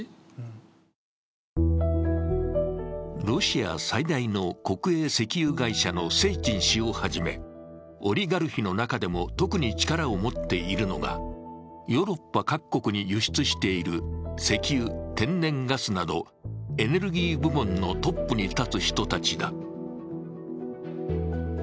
ロシア最大の国営石油会社のセーチン氏をはじめオリガルヒの中でも特に力を持っているのが、ヨーロッパ各国に輸出している石油、天然ガスなどエネルギー部門のトップに立つ人たちだ。